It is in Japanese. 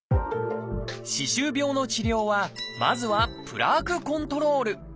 歯周病の治療はまずは「プラークコントロール」。